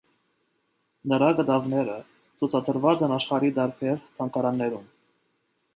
Նրա կտավները ցուցադրված են աշխարհի տարբեր թանգարաններում։